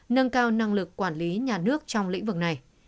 nâng cao năng lực quản lý nhà nước trong lĩnh vực này